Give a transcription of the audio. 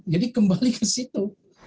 jadi kembali ke situ